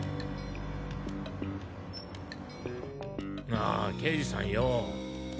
なあ刑事さんよぉ。